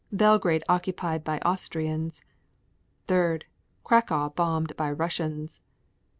Belgrade occupied by Austrians. 3. Cracow bombarded by Russians.